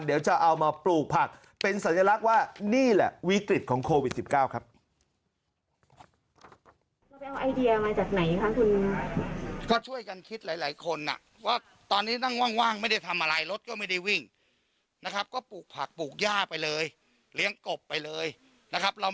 เดี๋ยวจะเอามาปลูกผักเป็นสัญลักษณ์ว่านี่แหละวิกฤตของโควิด๑๙ครับ